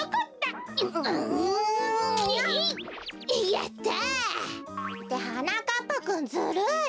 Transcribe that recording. やった！ってはなかっぱくんずるい！